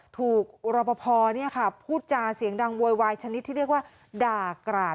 ถูกรอปภพูดจาเสียงดังโวยวายชนิดที่เรียกว่าด่ากราด